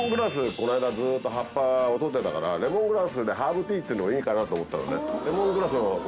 この間ずっと葉っぱを採ってたからレモングラスでハーブティーっていうのもいいかなと思ったのね。